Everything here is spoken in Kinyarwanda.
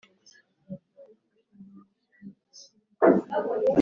Gueulette Samuel Leopold Marie